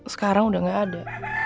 sekarang udah gak ada